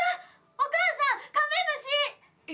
お母さんカメムシ！